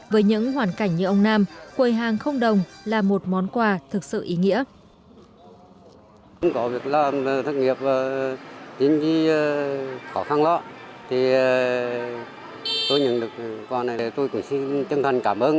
với những hoàn cảnh như ông nam quầy hàng không đồng là một món quà thực sự ý nghĩa